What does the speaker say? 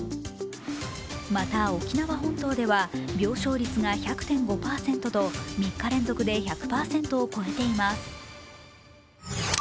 また、沖縄本島では病床率が１００．５％と３日連続で１００％を超えています。